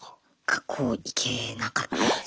学校行けなかったです。